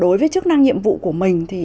đối với chức năng nhiệm vụ của mình